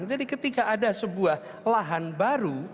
jadi ketika ada sebuah lahan baru